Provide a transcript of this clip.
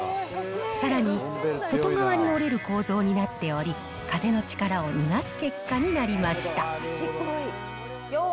さらに、外側に折れる構造になっており、風の力を逃がす結果になりました。